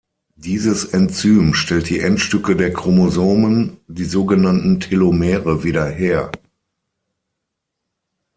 Dieses Enzym stellt die Endstücke der Chromosomen, die sogenannten Telomere, wieder her.